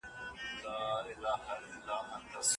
دا پېښه پر داود خان اغېزمنه وه.